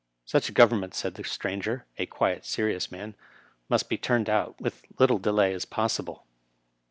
Such a Government, said the stranger — ^a quiet, serious man — ^must be turned out with as little delay as possible.